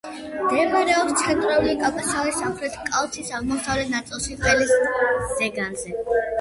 მდებარეობს ცენტრალური კავკასიონის სამხრეთ კალთის აღმოსავლეთ ნაწილში, ყელის ზეგანზე.